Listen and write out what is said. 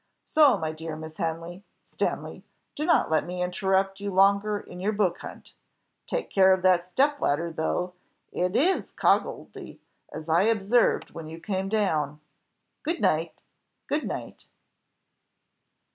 So, my dear Miss Hanley Stanley do not let me interrupt you longer in your book hunt. Take care of that step ladder, though; it is coggledy, as I observed when you came down Good night, good night."